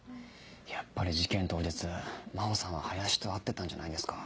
やっぱり事件当日真帆さんは林と会ってたんじゃないですか？